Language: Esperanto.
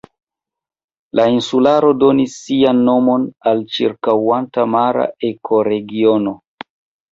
La insularo donis sian nomon al ĉirkaŭanta mara ekoregiono.